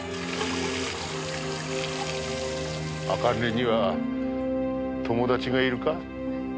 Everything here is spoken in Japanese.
茜には友達がいるか？